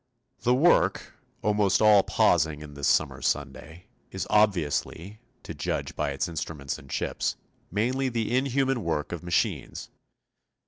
] The work, almost all pausing in this summer Sunday, is obviously, to judge by its instruments and chips, mainly the inhuman work of machines.